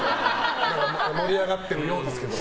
盛り上がってるようですけど。